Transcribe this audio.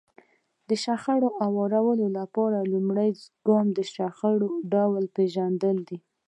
د شخړې هوارولو لپاره لومړی ګام د شخړې ډول پېژندل دي.